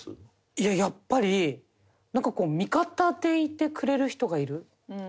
いややっぱりなんかこう味方でいてくれる人がいるっていうのが。